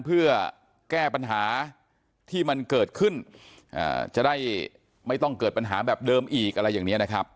เพื่อแก้ปัญหาที่มันเกิดขึ้นจะได้ไม่ต้องเกิดปัญหาแบบเดิมอีกอะไรอย่างนี้นะครับ